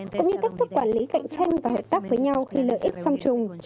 cũng như cách thức quản lý cạnh tranh và hợp tác với nhau khi lợi ích song trùng